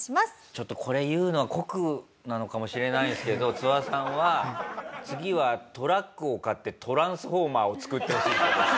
ちょっとこれ言うのは酷なのかもしれないですけどツワさんは次はトラックを買ってトランスフォーマーを作ってほしい人です。